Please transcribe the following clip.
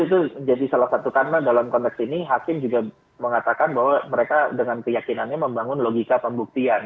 itu menjadi salah satu karena dalam konteks ini hakim juga mengatakan bahwa mereka dengan keyakinannya membangun logika pembuktian